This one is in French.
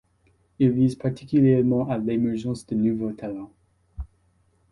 Il vise particulièrement à l'émergence de nouveaux talents.